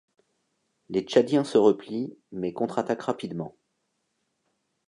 Les Tchadiens se replient mais contre-attaquent rapidement.